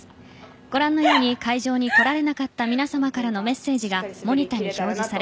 ご覧のように会場に来られなかった皆さまからのメッセージがモニターに表示され